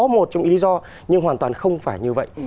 một trong những lý do nhưng hoàn toàn không phải như vậy